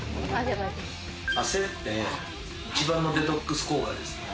汗って、一番のデトックス効果ですよね。